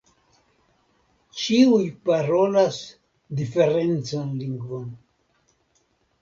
Ĉiuj parolas diferencan lingvon.